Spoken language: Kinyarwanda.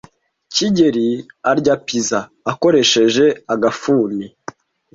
kigeli arya pizza akoresheje agafuni,